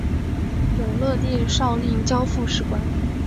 永乐帝诏令交付史官。